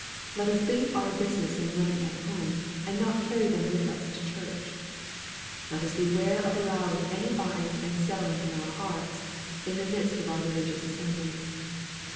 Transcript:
Let us leave our business and money at home, and not carry them with us to church. Let us beware of allowing any buying and selling in our hearts, in the midst of our religious assemblies.